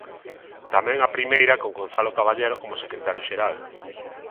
Tamén a primeira con Gonzalo Caballero como secretario xeral.